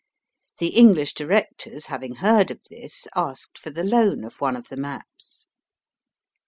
The English directors having heard of this asked for the loan of one of the maps.